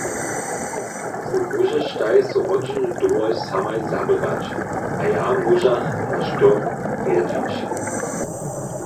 Wój móžeštaj so hodźiny dołho samaj zaběrać a ja móžach naš dom rjedźić.